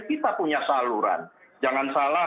kita punya saluran jangan salah